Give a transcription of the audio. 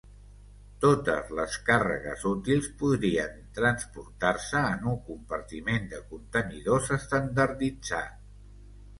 Totes les càrregues útils podrien transportar-se en un compartiment de contenidors estandarditzat.